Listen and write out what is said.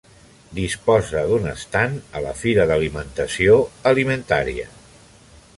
Disposa d'un estand a la fira d'alimentació Alimentària.